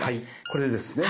これですね。